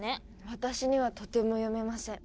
私にはとても読めません。